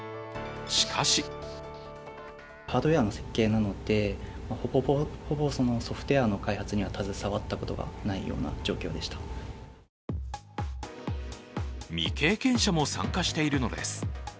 しかし未経験者も参加しているのです。